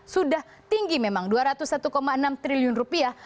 sudah tinggi memang dua ratus satu enam triliun rupiah